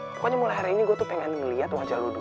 pokoknya mulai hari ini gue tuh pengen ngeliat wajah ludu